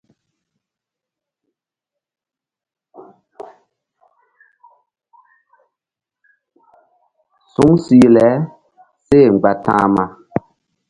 Suŋ sih le seh mgba ta̧hma.